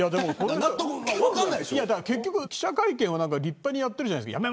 結局、記者会見は立派にやっているじゃないですか。